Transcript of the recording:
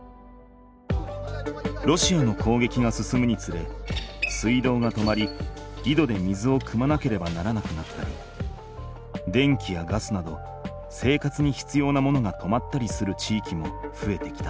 ロシアの攻撃が進むにつれ水道が止まりいどで水をくまなければならなくなったり電気やガスなど生活にひつようなものが止まったりする地域もふえてきた。